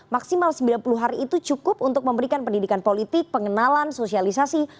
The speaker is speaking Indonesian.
maksimal sembilan puluh hari itu cukup untuk memberikan pendidikan politik pengenalan sosialisasi